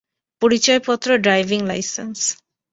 পরিচয়পত্র, driving licence.